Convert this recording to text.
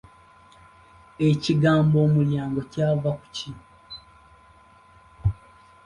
Ekigambo Omulyango kyava ku ki?